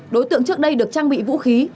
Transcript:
đối tượng trước đây được trang bị vũ khí